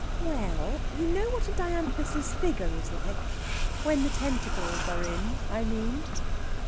We ell, you know what a dianthus's figure is like? When the tentacles are in, I mean."